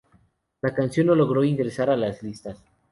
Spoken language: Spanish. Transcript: La canción no logró ingresar a las listas.